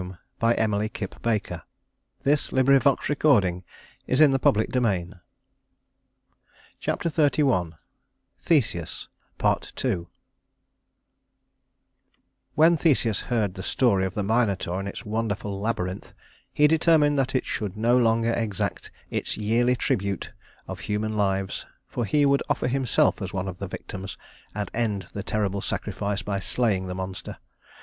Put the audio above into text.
In the temple he hung up his wings as an offering to the god. Chapter XXXI Theseus Part II When Theseus heard the story of the Minotaur and its wonderful labyrinth, he determined that it should no longer exact its yearly tribute of human lives, for he would offer himself as one of the victims and end the terrible sacrifice by slaying the monster.